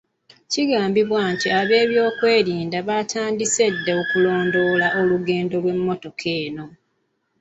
Kigambibwa nti ab'ebyokwerinda baatandise dda okulondoola olugendo lw'emmotoka eno.